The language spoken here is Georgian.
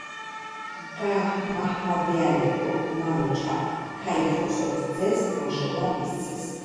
გამაჰმადიანებულ მანუჩარ ქაიხოსროს ძეს ფაშობა მისცეს.